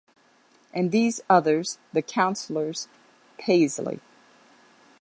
And these others — the Councillors, Paisley.